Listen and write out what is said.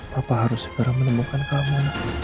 bapak harus segera menemukan kamu